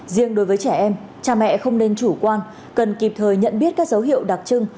riêng đối với trẻ em cha mẹ không nên chủ quan cần kịp thời nhận biết các dấu hiệu đặc trưng